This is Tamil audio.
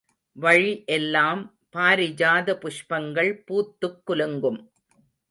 வழி எல்லாம் பாரிஜாத புஷ்பங்கள் பூத்துக் குலுங்கும்.